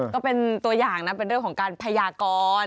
ก็เป็นตัวอย่างนะเป็นเรื่องของการพยากร